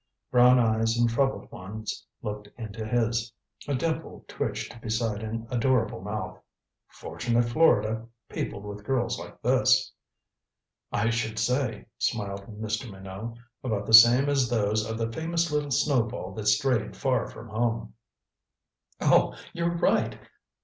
Brown eyes and troubled ones looked into his. A dimple twitched beside an adorable mouth. Fortunate Florida, peopled with girls like this. "I should say," smiled Mr. Minot, "about the same as those of the famous little snowball that strayed far from home." "Oh you're right!"